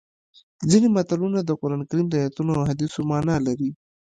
ځینې متلونه د قرانکریم د ایتونو او احادیثو مانا لري